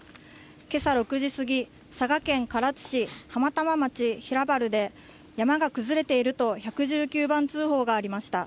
けさ６時過ぎ、佐賀県唐津市浜玉町平原で、山が崩れていると、１１９番通報がありました。